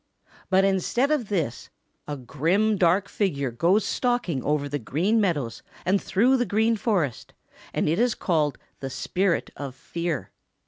But instead of this, a grim, dark figure goes stalking over the Green Meadows and through the Green Forest, and it is called the Spirit of Fear.